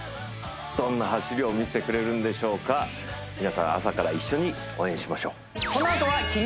どんな走りを見せてくれるんでしょうか皆さん朝から一緒に応援しましょう